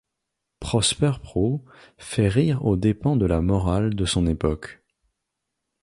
Prosper Proux fait rire aux dépens de la morale de son époque.